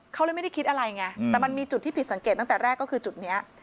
เขาเลยไม่ได้คิดอะไรไงแต่มันมีจุดที่ผิดสังเกตตั้งแต่แรกก็คือจุดนี้